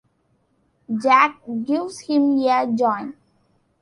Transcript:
Jack gives him a joint.